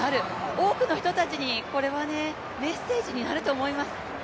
多くの人たちにこれはメッセージになると思います。